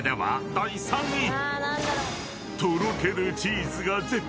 ［第３位は］